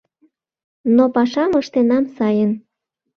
Но пашам ыштенам сайын.